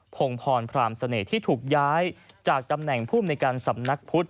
พงพรพรามเสน่ห์ที่ถูกย้ายจากตำแหน่งภูมิในการสำนักพุทธ